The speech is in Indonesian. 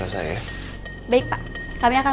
terus sekarang keadaan pak renny gimana pak